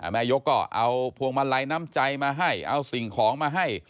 แม่ยกก็เอาพวงมาลัยน้ำใจมาให้เอาสิ่งของมาให้